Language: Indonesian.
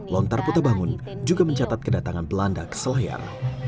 lontar putabangun juga mencatat kedatangan belanda ke selayar